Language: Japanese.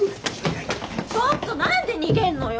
ちょっと何で逃げるのよ？